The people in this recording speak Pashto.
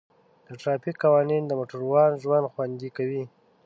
د ټرافیک قوانین د موټروانو ژوند خوندي کوي.